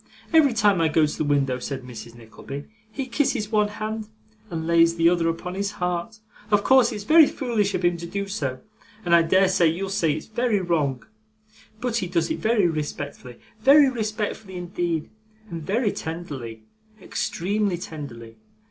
'Every time I go to the window,' said Mrs. Nickleby, 'he kisses one hand, and lays the other upon his heart of course it's very foolish of him to do so, and I dare say you'll say it's very wrong, but he does it very respectfully very respectfully indeed and very tenderly, extremely tenderly.